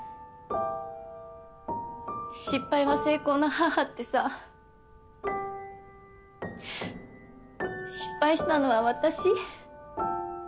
失敗は成功の母ってさ失敗したのは私？